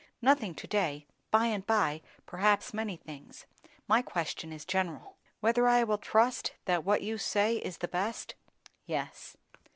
"Nothing, to day; by and by, perhaps many things. My question was general." "Whether I will trust that what you say is the best?" "Yes."